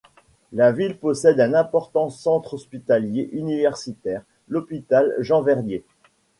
La ville possède un important centre hospitalier universitaire, l'hôpital Jean-Verdier.